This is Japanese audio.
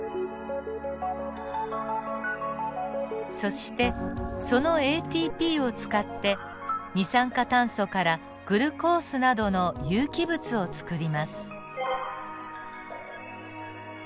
そしてそのＡＴＰを使って二酸化炭素からグルコースなどの有機物をつくります。